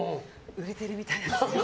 売れてるみたいです。